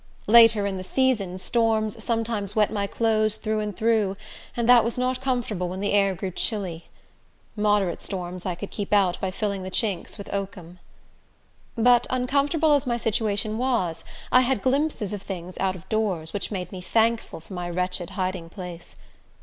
Later in the season, storms sometimes wet my clothes through and through, and that was not comfortable when the air grew chilly. Moderate storms I could keep out by filling the chinks with oakum. But uncomfortable as my situation was, I had glimpses of things out of doors, which made me thankful for my wretched hiding place.